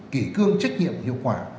kể cương trách nhiệm hiệu quả